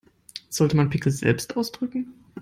Sollte man Pickel selbst ausdrücken?